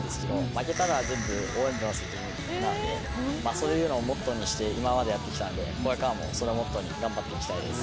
そういうのをモットーにして今までやってきたのでこれからもそれをモットーに頑張っていきたいです。